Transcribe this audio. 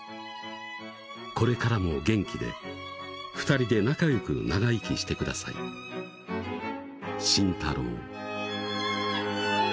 「これからも元気で二人で仲良く長生きして下さい慎太郎」